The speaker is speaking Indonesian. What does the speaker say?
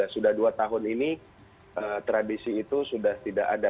sudah dua tahun ini tradisi itu sudah tidak ada